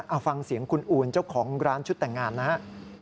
เอาฟังเสียงคุณอูนเจ้าของร้านชุดแต่งงานนะฮะ